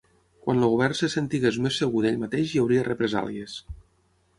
Quan el Govern se sentís més segur d'ell mateix hi hauria represàlies